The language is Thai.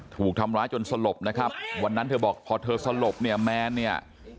ถูกทำร้ายจนสลบนะครับวันนั้นเธอบอกพอเธอสลบเนี่ยแมนเนี่ย